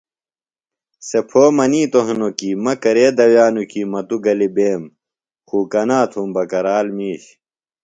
سےۡ پھو منِیتوۡ ہنوۡ کیۡ مہ کرے دوئانوۡ کیۡ مہ توۡ گلیۡ بیم خُو کنا تُھوم بکرال مِیش